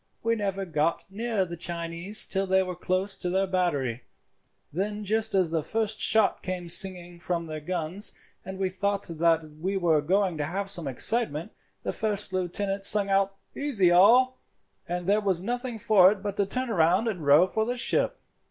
"We never got near the Chinese till they were close to their battery. Then just as the first shot came singing from their guns, and we thought that we were going to have some excitement, the first lieutenant sung out 'Easy all,' and there was nothing for it but to turn round and to row for the ship.